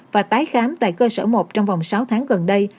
và tái khám tại cơ sở một trong vòng sáu tháng gần đây